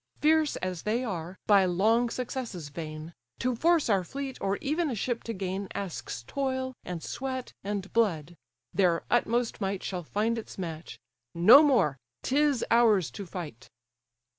Fierce as they are, by long successes vain; To force our fleet, or even a ship to gain, Asks toil, and sweat, and blood: their utmost might Shall find its match—No more: 'tis ours to fight."